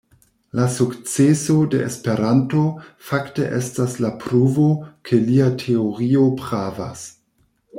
La sukceso de Esperanto fakte estas la pruvo, ke lia teorio pravas.